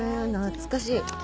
懐かしい。